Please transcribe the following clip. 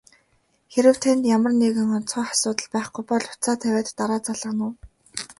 Хэрэв танд ямар нэг онцгой асуудал байхгүй бол утсаа тавиад дараа залгана уу?